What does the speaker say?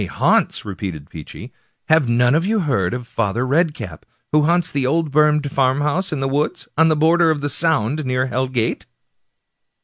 Aye, haunts," repeated Peechy ;" have none of you heard of Father Red cap, who haunts the old burned farm house in the woods, on the border of the Sound, near Hell Gate?"